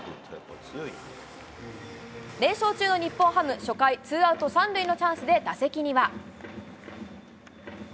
連勝中の日本ハム、初回、ツーアウト３塁のチャンスで打席には。